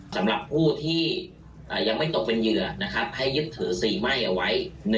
สำหรับผู้ที่ยังไม่ตกเป็นเหยื่อนะครับให้ยึดถือ๔ไหม้เอาไว้